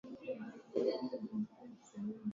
kujadili namna ya kukabiliana mabadiliko ya tabia nchi